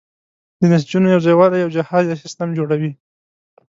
د نسجونو یوځای والی یو جهاز یا سیستم جوړوي.